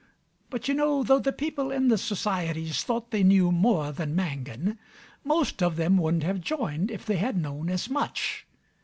But, you know, though the people in the societies thought they knew more than Mangan, most of them wouldn't have joined if they had known as much.